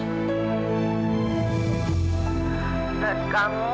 ibu ingin ketemu sama kamilah